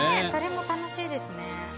それも楽しいですね。